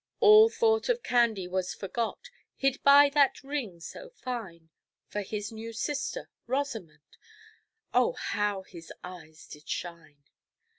All thought of candy was forgot. He'd buy that ring so fine For his new sister, Rosamond Oh, how his eyes did shine!